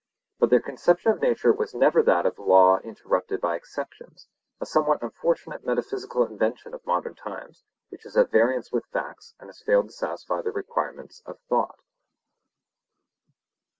But their conception of nature was never that of law interrupted by exceptions,—a somewhat unfortunate metaphysical invention of modern times, which is at variance with facts and has failed to satisfy the requirements of thought.